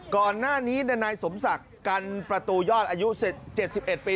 ก่อนหน้านี้นายสมศักดิ์กันประตูยอดอายุ๗๑ปี